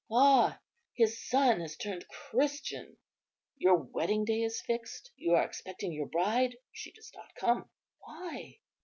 Ah! his son has turned Christian. Your wedding day is fixed, you are expecting your bride; she does not come; why?